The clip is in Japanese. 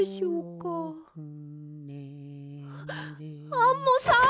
アンモさん！